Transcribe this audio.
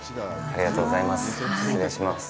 ありがとうございます。